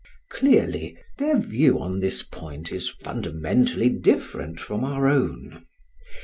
Clearly, their view on this point is fundamentally different from our own.